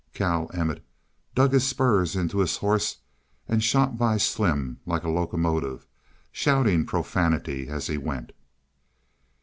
Cal Emmett dug his spurs into his horse and shot by Slim like a locomotive, shouting profanity as he went.